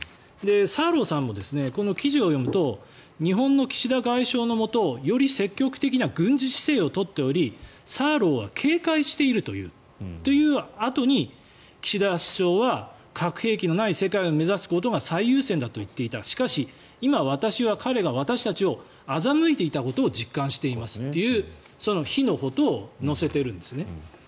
サーローさんも記事を読むと日本の岸田首相のもとより積極的な軍事姿勢を取っておりサーローは警戒しているというあとに岸田首相は核兵器のない世界を目指すことが最優先だといっていたしかし、今、私は彼が私たちを欺いていたことを実感していますというその否のことを載せているんですね。